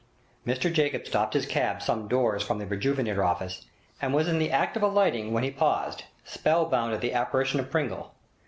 Mr Jacobs stopped his cab some doors from the "Rejuvenator" office, and was in the act of alighting when he paused, spellbound at the apparition of Pringle.